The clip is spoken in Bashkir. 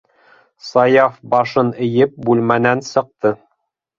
Саяф, башын эйеп, бүлмәнән сыҡты.